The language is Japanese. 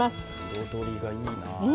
彩りがいいな。